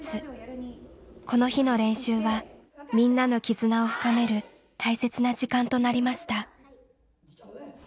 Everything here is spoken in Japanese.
この日の練習はみんなの絆を深める大切な時間となりました。